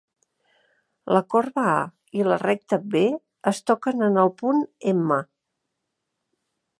La corba a i la recta b es toquen en el punt M.